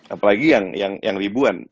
apalagi yang ribuan